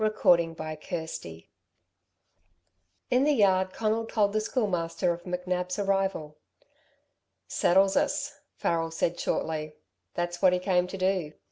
CHAPTER XXXI In the yard Conal told the Schoolmaster of McNab's arrival. "Settles us," Farrel said shortly. "That's what he came to do.